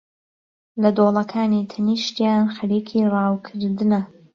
لە دۆڵەکانی تەنیشتیان خەریکی راوکردنە